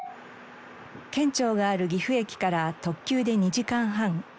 県庁がある岐阜駅から特急で２時間半。